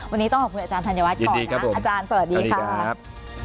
วันนี้ต้องขอบคุณอาจารย์ธันยวัตรก่อนยินดีครับผมอาจารย์สวัสดีค่ะสวัสดีครับ